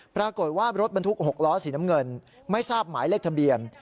ปรากฏว่ารถบรรทุก๖ล้อสีน้ำเงินไม่ทราบหมายเลขทะเบียน